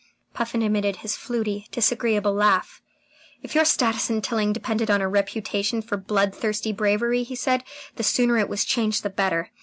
Puffin emitted his fluty, disagreeable laugh. "If your status in Tilling depended on a reputation for bloodthirsty bravery," he said, "the sooner it was changed the better.